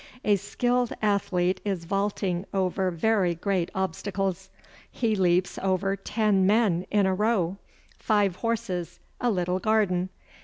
A skilled athlete is vaulting over very great obstacles. He leaps over ten men in a row, five horses, a little garden.